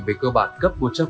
về cơ bản cấp một trăm linh